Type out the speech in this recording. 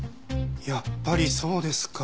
やっぱりそうですか。